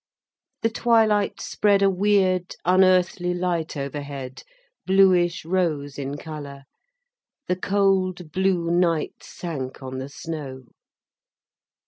The twilight spread a weird, unearthly light overhead, bluish rose in colour, the cold blue night sank on the snow.